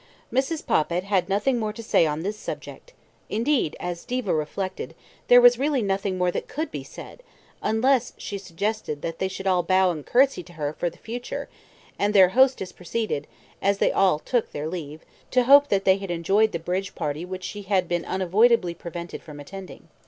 Mrs. Poppit had nothing more to say on this subject; indeed, as Diva reflected, there was really nothing more that could be said, unless she suggested that they should all bow and curtsy to her for the future, and their hostess proceeded, as they all took their leave, to hope that they had enjoyed the bridge party which she had been unavoidably prevented from attending.